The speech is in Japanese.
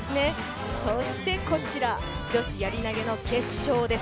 そしてこちら、女子やり投の決勝です。